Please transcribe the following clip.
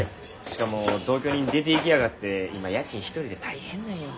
しかも同居人出ていきやがって今家賃１人で大変なんよ。